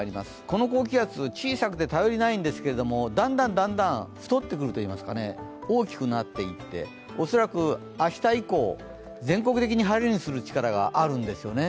この高気圧、小さくて頼りないんですが、だんだん太ってくるといいますか大きくなっていって恐らく明日以降、全国的に晴れにする力があるんですね。